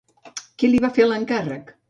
Qui li va fer l'encàrrec?